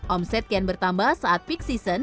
omset kian bertambah saat peak season